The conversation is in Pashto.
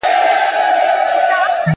ما د هغې له سونډو څو ځلې زبېښلي شراب!!